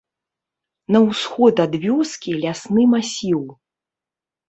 На ўсход ад вёскі лясны масіў.